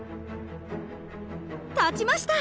立ちました！